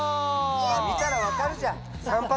見たらわかるじゃ。